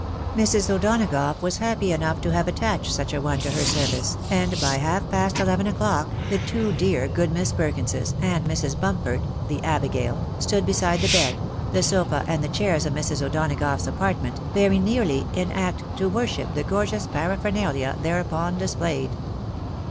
Mrs. O'Donagough was happy enough to have attached such a one to her service, and by half past eleven o'clock the two dear good Miss Perkinses, and Mrs. Bmnpford (the Abigail) stood beside the bed, the sofa, and the chairs of Mrs. O'Donagough's apartment, very nearly " in act to " worship the gorgeous paraphernalia thereupon displayed.